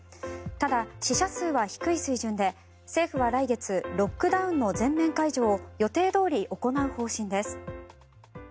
ただ、死者数は低い水準で政府は来月ロックダウンの全面解除を予定どおり行う方針です。